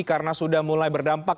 karena sudah mulai berdampak